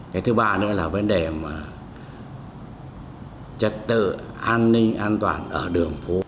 cái thứ ba nữa là vấn đề mà trật tự an ninh an toàn ở đường phố